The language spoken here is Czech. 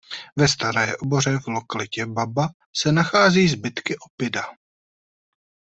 Ve Staré oboře v lokalitě Baba se nachází zbytky oppida.